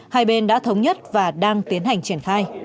hai bên đã thống nhất và đang tiến hành triển khai